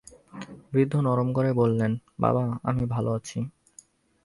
বৃদ্ধ নরম গলায় বললেন, বাবা, আমি ভালো আছি।